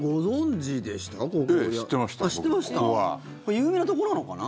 有名なところのかな？